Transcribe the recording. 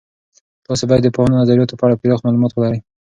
تاسې باید د پوهاند نظریاتو په اړه پراخ معلومات ولرئ.